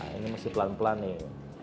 ini masih pelan pelan nih